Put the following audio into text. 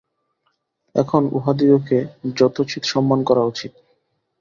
এখন উহাদিগকে যথোচিত সম্মান করা উচিত।